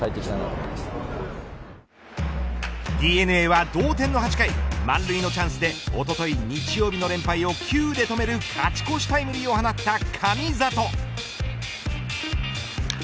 ＤｅＮＡは同点の８回満塁のチャンスでおととい日曜日に連敗を９で止める勝ち越しタイムリーを放った神里。